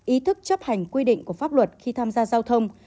ý thức chấp hành quy định của pháp luật khi tham gia giao thông